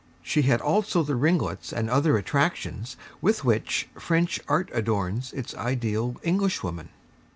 She had also the ringlets and other attractions with which French Art adorns its ideal Englishwoman.